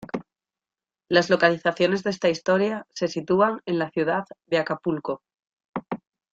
Las locaciones de esta historia se sitúan en la ciudad de Acapulco.